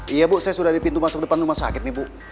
iya bu saya sudah di pintu masuk depan rumah sakit nih bu